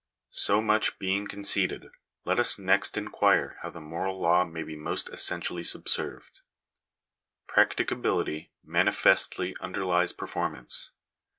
So much being conceded, let us next inquire how the moral law may be most essentially subserved. Practicability mani festly underlies performance.